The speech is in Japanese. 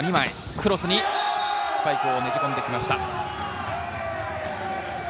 クロススパイクをねじ込んできました。